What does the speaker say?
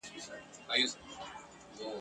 ور آزاد به وي مزلونه !.